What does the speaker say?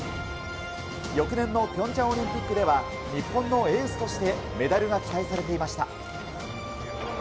翌年のピョンチャンオリンピックでは、日本のエースとしてメダルが期待されていました。